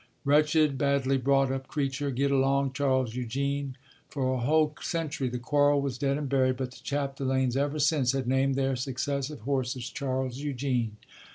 Wretched, badly brought up creature! Get along, Charles Eugene!" For a whole century the quarrel was dead and buried; but the Chapdelaines ever since had named their successive horses Charles Eugene.